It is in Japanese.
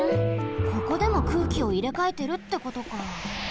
ここでも空気をいれかえてるってことか。